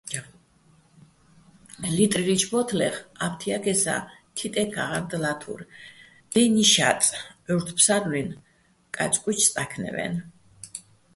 ლიტრილიჩო̆ ბო́თლეხ ა́ფთიაქესაჼ თიტენო̆ ქაღალდ ლათურ: "დე́ნი შაწ, ჺურდ-ფსარლუჲნი̆ კაწკუჲჩი̆ სტა́ქნევ-აჲნო̆".